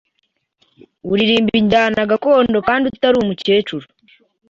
uririmba injyana gakondo kandi utari umukecuru